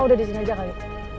udah disini aja kali